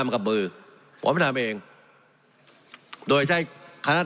นั่นแค่เรื่องของเราทุกสิ่งที่เราทำในอาทิตยาเทศปังครับ